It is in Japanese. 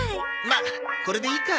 まっこれでいいか。